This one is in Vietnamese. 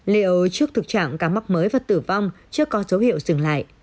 liệu trước thực trạng ca mắc mới và tử vong chưa có dấu hiệu dừng lại